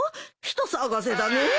人騒がせだねえ。